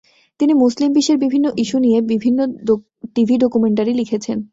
তিনি মুসলিম বিশ্বের বিভিন্ন ইস্যু নিয়ে বিভিন্ন টিভি ডকুমেন্টারি লিখেছেন।